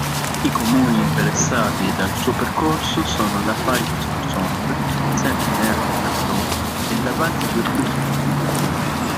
I comuni interessati dal suo percorso sono Lafage-sur-Sombre, Saint-Merd-de-Lapleau e Laval-sur-Luzège.